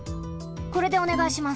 これでおねがいします。